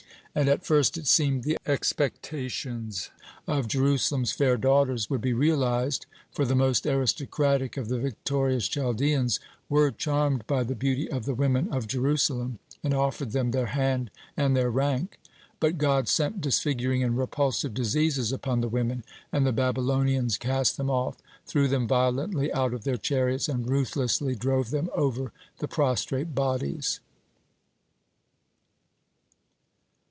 And at first it seemed the expectations of Jerusalem's fair daughters would be realized, for the most aristocratic of the victorious Chaldeans were charmed by the beauty of the women of Jerusalem, and offered them their hand and their rank. But God sent disfiguring and repulsive diseases upon the women, and the Babylonians cast them off, threw them violently out of their chariots, and ruthlessly drove them over the prostrate bodies.